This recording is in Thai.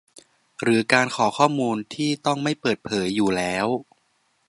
หรือการขอข้อมูลที่ต้องไม่เปิดเผยอยู่แล้ว